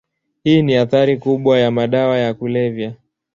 Hii ni athari kubwa ya madawa ya kulevya.